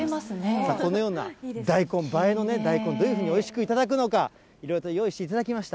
さあ、このような大根映えのね、大根、どういうふうにおいしく頂くのか、いろいろと用意していただきました。